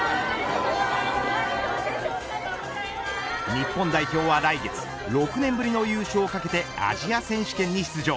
日本代表は来月６年ぶりの優勝をかけてアジア選手権に出場。